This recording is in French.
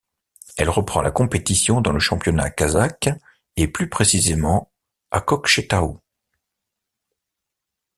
Elle reprend la compétition dans le championnat Kazakh et plus précisément à Kökchetaou.